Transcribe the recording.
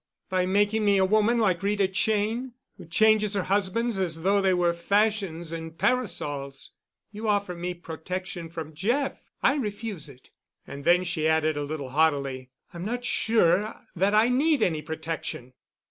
By making me a woman like Rita Cheyne, who changes her husbands as though they were fashions in parasols. You offer me protection from Jeff. I refuse it." And then she added a little haughtily, "I'm not sure that I need any protection."